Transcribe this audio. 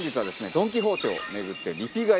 ドン・キホーテを巡ってリピ買い